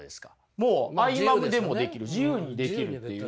もう合間にでもできる自由にできるっていうね。